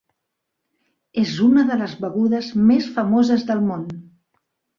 És una de les begudes més famoses del món.